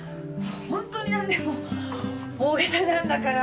ホントに何でも大げさなんだから。